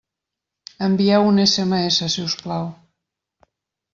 Envieu un SMS, si us plau.